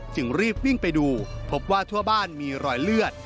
จึงรีบวิ่งไปดูพบว่าทั่วบ้านมีรอยเลือด